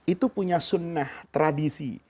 itu punya sunnah tradisi